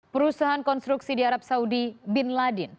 perusahaan konstruksi di arab saudi bin ladin